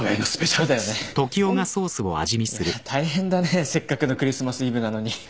大変だねせっかくのクリスマスイブなのに。